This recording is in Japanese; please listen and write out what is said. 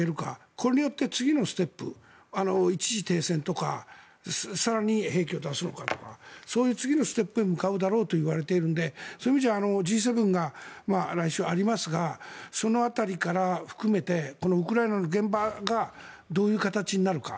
これによって、次のステップ一時停戦とか更に兵器を足すのかとかそういう次のステップへ向かうだろうといわれているのでそういう意味じゃＧ７が来週、ありますがその辺りから含めてウクライナの現場がどういう形になるか。